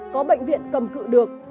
có bệnh viện cầm cự được